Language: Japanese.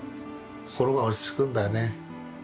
心が落ち着くんだよね